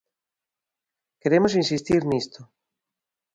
Queremos insistir nisto.